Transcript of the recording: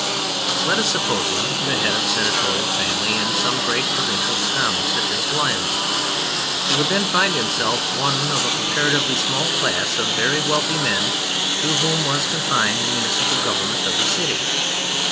Let us suppose him the head of a Senatorial family in some great provincial town such as Lyons. He would then find himself one of a comparatively small class of very wealthy men to whom was confined the municipal government of the city.